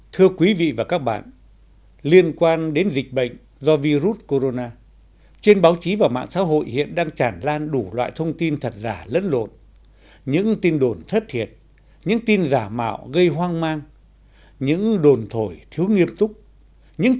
thưa quý vị và các bạn liên quan đến dịch bệnh do virus corona trên báo chí và mạng xã hội hiện đang chản lan đủ loại thông tin thật giả lẫn lộn